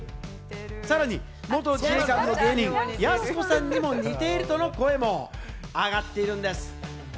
さらに元自衛官の芸人・やす子さんにも似てるとの声もあがっているんです。